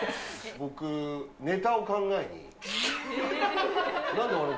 僕、ネタを考えに。